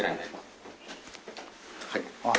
はい。